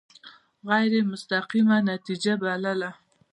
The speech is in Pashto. غیر مستقیمه نتیجه بلله.